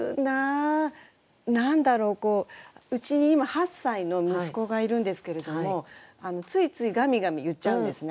何だろううちに今８歳の息子がいるんですけれどもついついガミガミ言っちゃうんですね